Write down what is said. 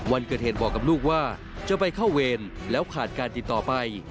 วันเกิดเหตุบอกกับลูกว่าจะไปเข้าเวรแล้วขาดการติดต่อไป